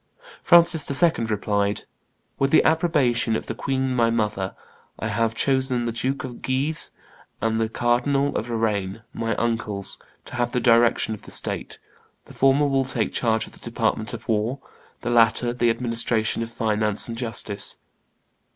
Francis II. replied, "With the approbation of the queen my mother, I have chosen the Duke of Guise and the Cardinal of Lorraine, my uncles, to have the direction of the state; the former will take charge of the department of war, the latter the administration of finance and justice."